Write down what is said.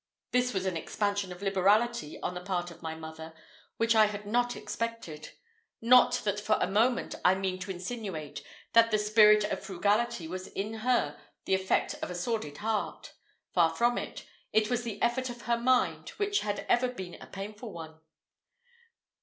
This was an expansion of liberality on the part of my mother which I had not expected; not that for a moment I mean to insinuate that the spirit of frugality was in her the effect of a sordid heart far, far from it; it was an effort of her mind, and had ever been a painful one.